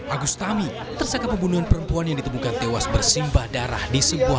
agus tami tersangka pembunuhan perempuan yang ditemukan tewas bersimbah darah di sebuah